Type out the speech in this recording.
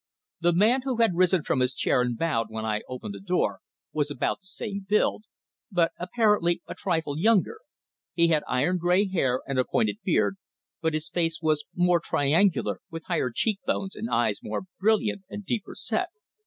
The man who had risen from his chair and bowed when I opened the door was about the same build, but, apparently, a trifle younger. He had iron grey hair and a pointed beard, but his face was more triangular, with higher cheek bones, and eyes more brilliant and deeper set.